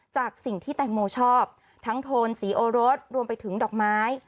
จากสิ่งที่แตงโมชอบทั้งโทนศรีโอรสรวมไปถึงดอกไม้